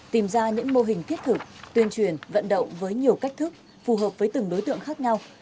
tìm ra những mô hình thiết thực tuyên truyền vận động với nhiều cách thức phù hợp với từng đối tượng khác nhau